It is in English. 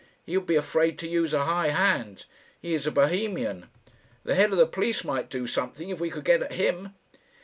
He would be afraid to use a high hand. He is Bohemian. The head of the police might do something, if we could get at him."